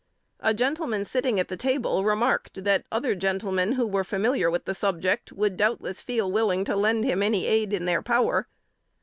A gentleman sitting at the table remarked, that other gentlemen, who were familiar with the subject, would doubtless feel willing to lend him any aid in their power.